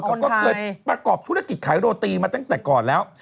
เขาก็เคยประกอบธุรกิจขายโรตีมาตั้งแต่ก่อนแล้ว